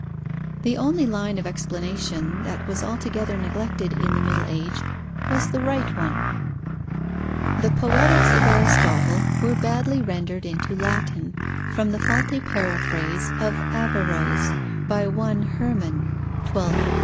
The only line of explanation that was altogether neglected in the Middle Age was the right one. The Poetics of Aristotle were badly rendered into Latin, from the faulty paraphrase of Averroes, by one Hermann (1256).